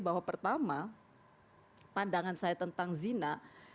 bahwa pertama pandangan saya tentang zina